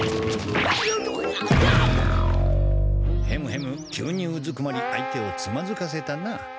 ヘムヘム急にうずくまり相手をつまずかせたな。